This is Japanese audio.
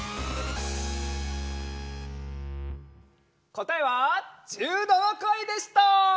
こたえは１７かいでした！